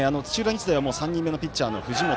日大はもう３人目のピッチャーの藤本。